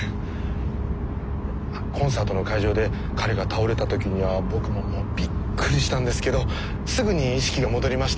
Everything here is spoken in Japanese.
コンサートの会場で彼が倒れた時には僕ももうびっくりしたんですけどすぐに意識が戻りまして。